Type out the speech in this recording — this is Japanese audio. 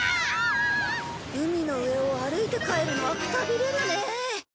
海の上を歩いて帰るのはくたびれるね。